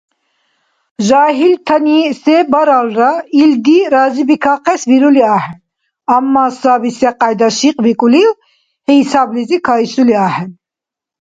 Жагьилтани се баралра, илди разибикахъес вирули ахӀен, амма саби секьяйда шикьбикӀулил хӀисаблизи кайсули ахӀен.